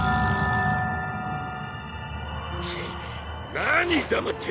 チッ何黙ってる。